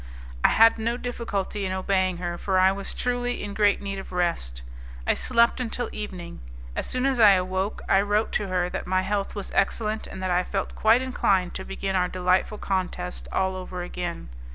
I had no difficulty in obeying her, for I was truly in great need of rest. I slept until evening. As soon as I awoke, I wrote to her that my health was excellent, and that I felt quite inclined to begin our delightful contest all over again.